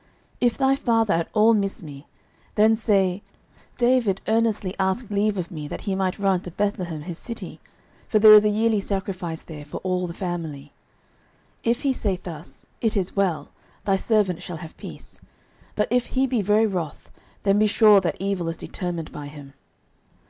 09:020:006 If thy father at all miss me, then say, David earnestly asked leave of me that he might run to Bethlehem his city: for there is a yearly sacrifice there for all the family. 09:020:007 If he say thus, It is well; thy servant shall have peace: but if he be very wroth, then be sure that evil is determined by him.